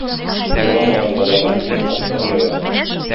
Еламаган балага ими каптырмыйлар.